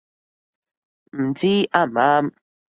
唔知啱唔啱